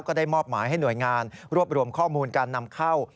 ก็ได้มอบหมายให้หน่วยงานรวบรวมข้อมูลการนำเข้า